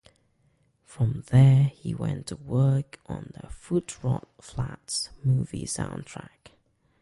From there he went to work on the Footrot Flats movie soundtrack.